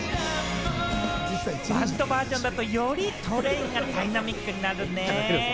バンドアレンジバージョンだと、トレインがよりダイナミックになるね。